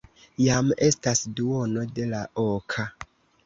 Jam estas duono de la oka.